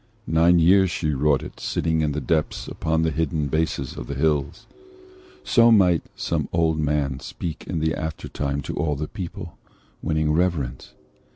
Nine years she wrought it, sitting in the deeps Upon the hidden bases of the hills.' So might some old man speak in the aftertime To all the people, winning reverence.